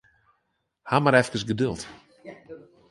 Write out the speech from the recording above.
Haw mar efkes geduld.